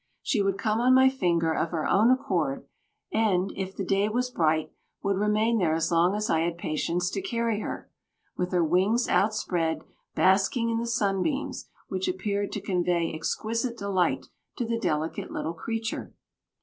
She would come on my finger of her own accord, and, if the day was bright, would remain there as long as I had patience to carry her, with her wings outspread, basking in the sunbeams, which appeared to convey exquisite delight to the delicate little creature.